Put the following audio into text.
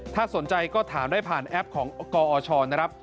ถ้าสนใจก็ถามได้ผ่านแอปของกอชนะครับ